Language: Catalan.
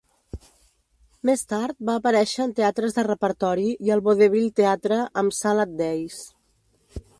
Més tard, va aparèixer en teatres de repertori i al Vaudeville Theatre amb Salad Days.